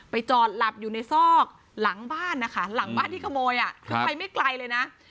จอดหลับอยู่ในซอกหลังบ้านนะคะหลังบ้านที่ขโมยคือไปไม่ไกลเลยนะ